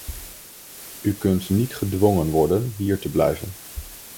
U kunt niet gedwongen worden hier te blijven.